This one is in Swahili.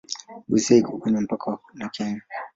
Busia iko kwenye mpaka na Kenya.